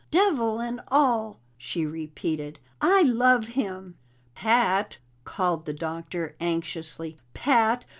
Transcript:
"Devil and all," she repeated, "I love him!" "Pat!" called the Doctor anxiously. "Pat!